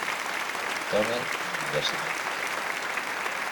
Cornell University.